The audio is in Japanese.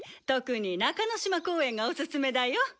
特に中の島公園がおすすめだよ。